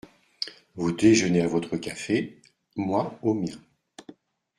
Vous déjeunez à votre café… moi, au mien…